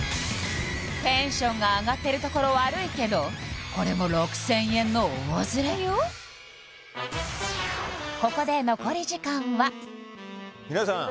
テンションが上がってるところ悪いけどこれも６０００円の大ズレよ皆さん